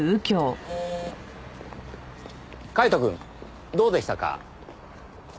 カイトくんどうでしたか？